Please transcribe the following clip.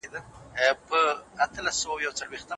مېوې د پښتورګو د پاکوالي لپاره ډېرې ګټورې دي.